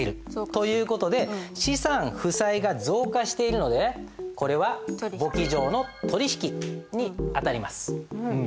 という事で資産負債が増加しているのでこれは簿記上の取引に当たります。